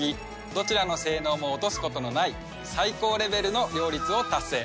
どちらの性能も落とすことのない最高レベルの両立を達成。